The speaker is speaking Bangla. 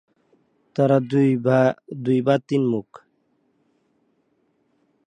তার দুই বা তিন মুখ।